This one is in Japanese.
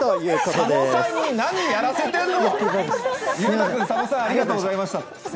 佐野さんに何やらせてんの！